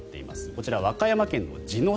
こちら、和歌山県の地ノ